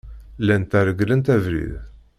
Llant reglent abrid.